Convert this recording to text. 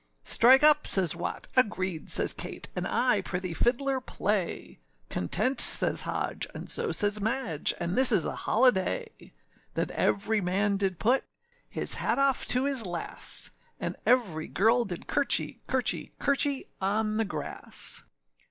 âStrike up,â says Wat; âAgreed,â says Kate, âAnd I prithee, fiddler, play;â âContent,â says Hodge, and so says Madge, For this is a holiday. Then every man did put His hat off to his lass, And every girl did curchy, Curchy, curchy on the grass.